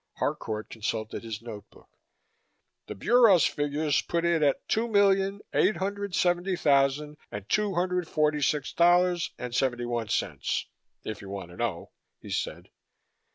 Harcourt consulted his note book. "The Bureau's figures put it at two million eight hundred seventy thousand and two hundred forty six dollars and seventy one cents, if you want to know," he said.